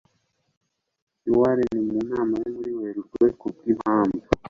I Warren mu nama yo muri Werurwe kubwimpamvu